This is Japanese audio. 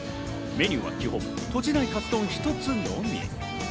メニューは基本、とじないカツ丼１つのみ。